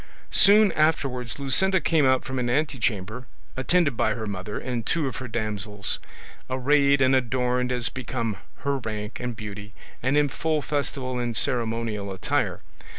Soon afterwards Luscinda came out from an antechamber, attended by her mother and two of her damsels, arrayed and adorned as became her rank and beauty, and in full festival and ceremonial attire.